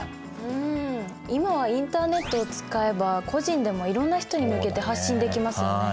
うん今はインターネットを使えば個人でもいろんな人に向けて発信できますよね。